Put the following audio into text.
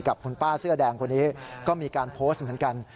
กับคุณป้าเสื้อแดงคนนี้ก็มีการโพสต์เหมือนกัน